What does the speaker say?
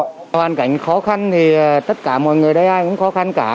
trong hoàn cảnh khó khăn thì tất cả mọi người đây ai cũng khó khăn cả